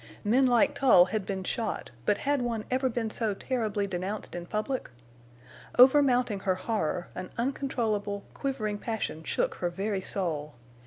Men like Tull had been shot, but had one ever been so terribly denounced in public? Over mounting her horror, an uncontrollable, quivering passion shook her very soul.